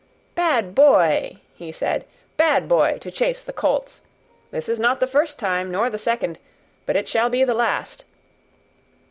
"Bad boy!" he said, "bad boy! to chase the colts. This is not the first time, nor the second, but it shall be the last.